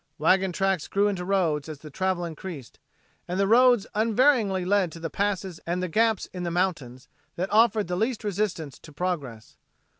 Wagon tracks grew into roads as the travel increased. And the roads unvaryingly led to the passes and the gaps in the mountains that offered the least resistance to progress.